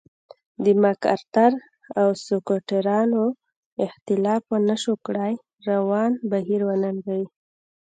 د مک ارتر او سکواټورانو اختلاف ونشو کړای روان بهیر وننګوي.